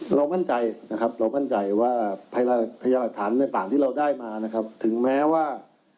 เจ้าบ้านบามันต้องมั่นใจนะครับและมั่นใจพยาบาทฐานที่เราได้มาถึงแม้ว่า